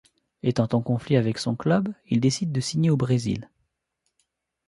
Étant en conflit avec son club, il décide de signer au Brésil.